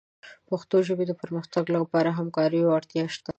د پښتو ژبې د پرمختګ لپاره د همکاریو اړتیا شته.